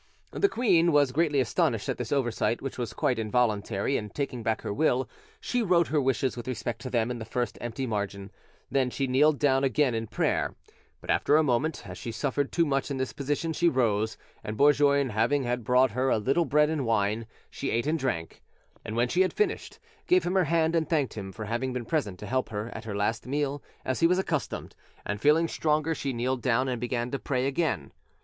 The queen was greatly astonished at this oversight, which was quite involuntary, and, taking back her will, she wrote her wishes with respect to them in the first empty margin; then she kneeled down again in prayer; but after a moment, as she suffered too much in this position, she rose, and Bourgoin having had brought her a little bread and wine, she ate and drank, and when she had finished, gave him her hand and thanked him for having been present to help her at her last meal as he was accustomed; and feeling stronger, she kneeled down and began to pray again.